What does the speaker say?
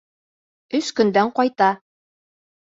Өс көндән ҡайта.